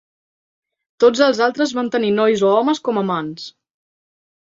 Tots els altres van tenir nois o homes com a amants.